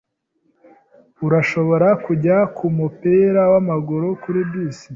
Urashobora kujya kumupira wamaguru kuri bisi.